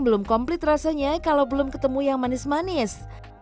belum komplit rasanya kalau belum ketemu yang manis manis